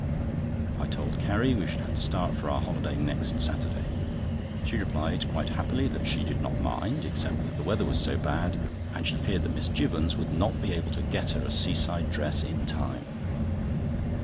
I told Carrie we should have to start for our holiday next Saturday. She replied quite happily that she did not mind, except that the weather was so bad, and she feared that Miss Jibbons would not be able to get her a seaside dress in time.